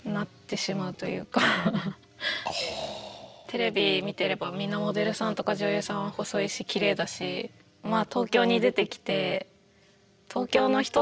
テレビ見てればみんなモデルさんとか女優さんは細いしきれいだし東京に出てきて理想とする何かあるんですか？